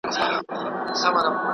ستا رګو ته د ننګ ویني نه دي تللي ,